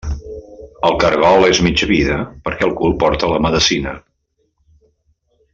El caragol és mitja vida, perquè al cul porta la medecina.